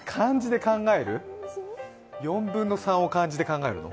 ４分の３を漢字で考えるの？